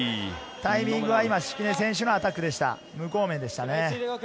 タイミングは今、敷根選手のアタックでした、無効面でしたね。